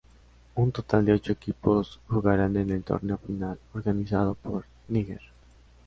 Un total de ocho equipos jugarán en el torneo final, organizado por Níger.